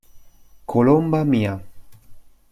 Colomba mia.